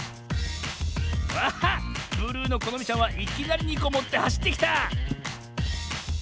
あっブルーのこのみちゃんはいきなり２こもってはしってきた！